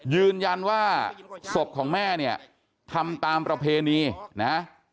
ยืนยันว่าศพของแม่เนี่ยทำตามประเพณีนะ